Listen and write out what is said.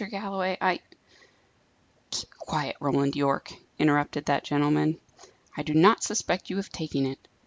Galloway, I " "Keep quiet, Roland Yorke," interrupted that gentleman. "I do not suspect you of taking it.